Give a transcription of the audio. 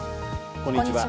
こんにちは。